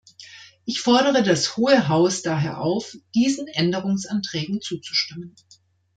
Ich fordere das Hohe Haus daher auf, diesen Änderungsanträgen zuzustimmen.